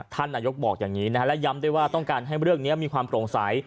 ท่านนายกบอกอย่างนี้นะฮะและย้ำด้วยว่าต้องการให้เรื่องนี้มีความโปร่งใส